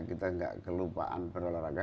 kita gak kelupaan berolahraga